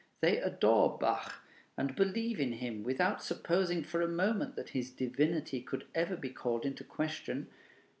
They adore Bach, and believe in him, without supposing for a moment that his divinity could ever be called into question.